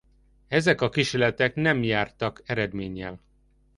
Ezek a kísérletek nem jártak eredménnyel.